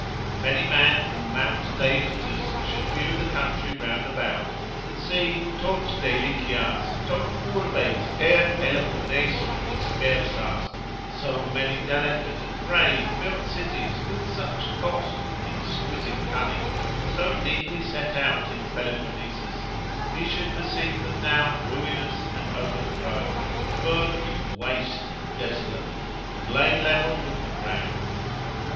If any man from Mount Taygetus should view the country round about, and see tot delicias, tot urbes per Peloponesum dispersas, so many delicate and brave built cities with such cost and exquisite cunning, so neatly set out in Peloponnesus, he should perceive them now ruinous and overthrown, burnt, waste, desolate, and laid level with the ground.